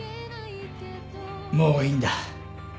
もういいんだ。